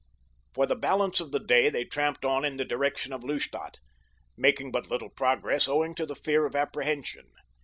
For the balance of the day they tramped on in the direction of Lustadt, making but little progress owing to the fear of apprehension.